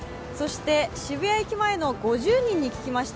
渋谷駅前の５０人に聞きました。